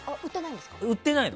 売ってないの。